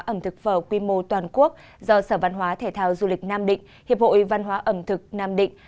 ẩm thực phở quy mô toàn quốc do sở văn hóa thể thao du lịch nam định hiệp hội văn hóa ẩm thực nam định